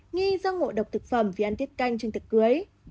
nghi do ngộ độc thực phẩm vì ăn tiết canh trên tiệc cưới